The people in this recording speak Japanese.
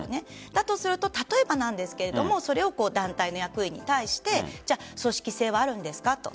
だとすると例えばなんですがそれを団体の役員に対して組織性はあるんですかと。